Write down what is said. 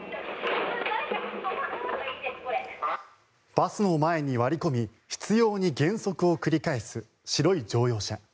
バスの前に割り込み執ように減速を繰り返す白い乗用車。